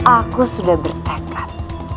aku sudah bertekad